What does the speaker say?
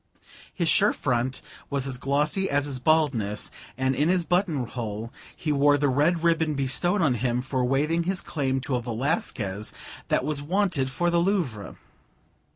His shirt front was as glossy as his baldness, and in his buttonhole he wore the red ribbon bestowed on him for waiving his claim to a Velasquez that was wanted for the Louvre.